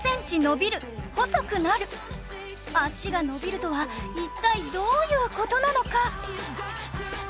「脚が伸びる」とは一体どういう事なのか？